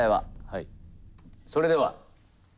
はい。